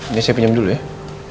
ini saya pinjam dulu ya